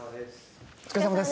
お疲れさまです